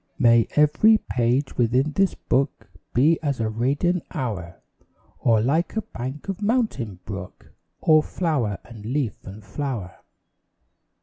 May every page within this book Be as a radiant hour; Or like a bank of mountain brook, All flower and leaf and flower.